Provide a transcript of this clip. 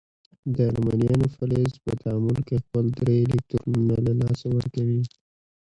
د المونیم فلز په تعامل کې خپل درې الکترونونه له لاسه ورکوي.